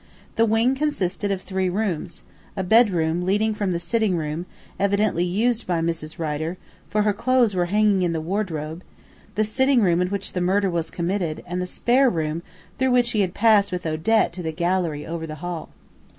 The wing consisted of three rooms; a bedroom, leading from the sitting room, evidently used by Mrs. Rider, for her clothes were hanging in the wardrobe; the sitting room in which the murder was committed, and the spare room through which he had passed with Odette to the gallery over the hall.